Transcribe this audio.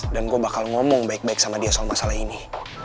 dan gue bakal ngomong baik baik sama dia soal masalah ini